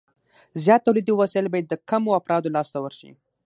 زیات تولیدي وسایل باید د کمو افرادو لاس ته ورشي